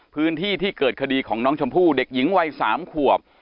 พื้นที่ที่เกิดคดีของน้องชมพู่เด็กหญิงวัย๓ขวบ